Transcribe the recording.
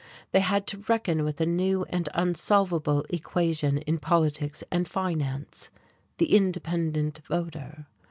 They had to reckon with a new and unsolvable equation in politics and finance, the independent voter.